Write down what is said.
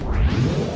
tuh tuh tuh